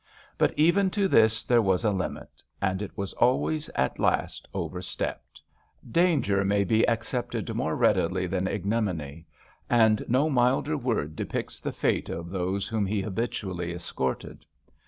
But even to this there was a limit, and it was alwaysL at last overstepped. Danger may be accepted more readily than ignominv, and no milder word depicts the fate of^ those whom he habitually escorted.